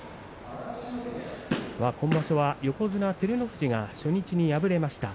今場所は横綱照ノ富士が初日に敗れました。